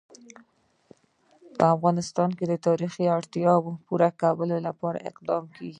په افغانستان کې د تاریخ د اړتیاوو پوره کولو لپاره اقدامات کېږي.